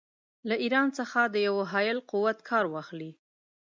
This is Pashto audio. له ایران څخه د یوه حایل قوت کار واخلي.